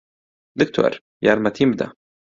دکتۆر، یارمەتیم بدە!